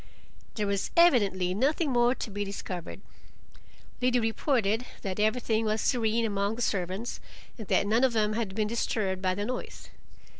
There was evidently nothing more to be discovered: Liddy reported that everything was serene among the servants, and that none of them had been disturbed by the noise.